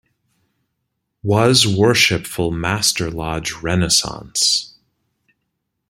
Was Worshipful Master Lodge "Renaissance".